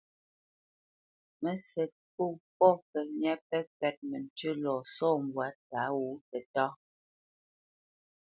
Mə́sɛ̌t pô pɔ̂ pəmyá pɛ́ kwɛ́t məntʉ́ʉ́ lɔ sɔ̂ mbwǎ tǎ wǒ tətáá.